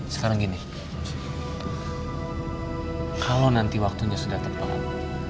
sekarang gini kalau nanti waktunya sudah tepat